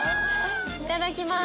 いただきます。